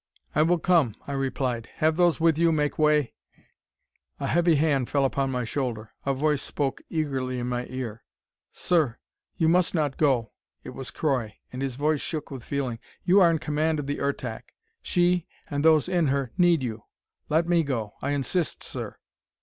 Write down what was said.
"I will come," I replied. "Have those with you make way " A heavy hand fell upon my shoulder; a voice spoke eagerly in my ear: "Sir, you must not go!" It was Croy, and his voice shook with feeling. "You are in command of the Ertak; she, and those in her need you. Let me go! I insist, sir!"